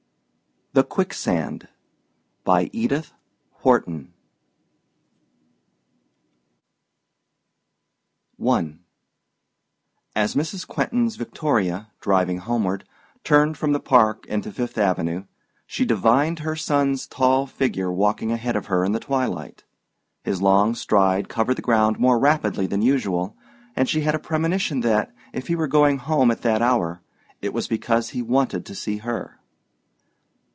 THE QUICKSAND I AS Mrs. Quentin's victoria, driving homeward, turned from the Park into Fifth Avenue, she divined her son's tall figure walking ahead of her in the twilight. His long stride covered the ground more rapidly than usual, and she had a premonition that, if he were going home at that hour, it was because he wanted to see her.